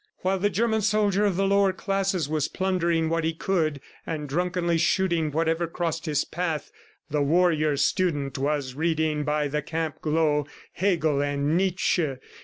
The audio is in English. While the German soldier of the lower classes was plundering what he could and drunkenly shooting whatever crossed his path, the warrior student was reading by the camp glow, Hegel and Nietzsche.